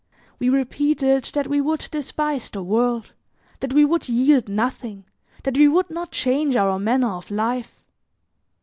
We repeated that we would despise the world, that we would yield nothing, that we would not change our manner of life.